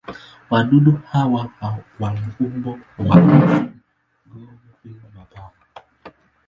Wadudu hawa wana umbo wa nzi-gome bila mabawa.